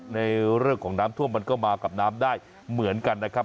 ในเรื่องของน้ำท่วมมันก็มากับน้ำได้เหมือนกันนะครับ